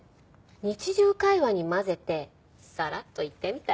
日常会話に交ぜてサラッと言ってみたら？